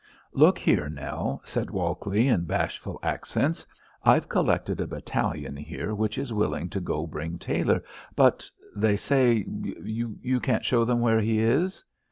"Look here, Nell!" said Walkley, in bashful accents; "I've collected a battalion here which is willing to go bring Tailor; but they say you can't you show them where he is?"